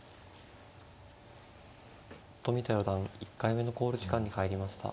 冨田四段１回目の考慮時間に入りました。